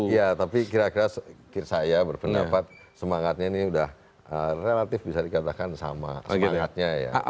ya tapi kira kira saya berpendapat semangatnya ini sudah relatif bisa dikatakan sama semangatnya ya